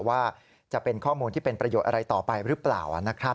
ว่าจะเป็นข้อมูลที่เป็นประโยชน์อะไรต่อไปหรือเปล่านะครับ